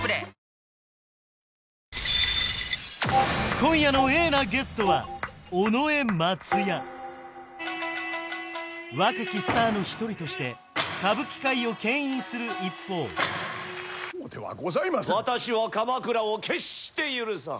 今夜のＡなゲストは尾上松也若きスターの一人として歌舞伎界をけん引する一方私は鎌倉を決して許さん